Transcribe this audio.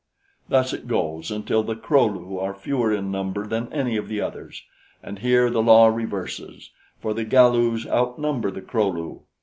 Thus it goes until the Kro lu are fewer in number than any of the others; and here the law reverses, for the Galus outnumber the Kro lu.